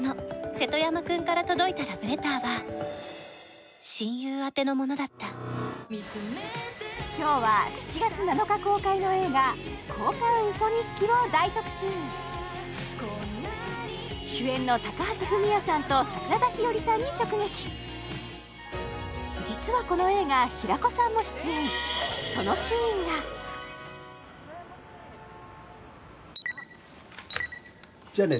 瀬戸山くんから届いたラブレターは親友宛てのものだった今日は７月７日公開の映画「交換ウソ日記」を大特集主演の高橋文哉さんと桜田ひよりさんに直撃実はこの映画平子さんも出演そのシーンがじゃあね